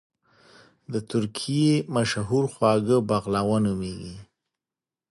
د ترکی مشهور خواږه بغلاوه نوميږي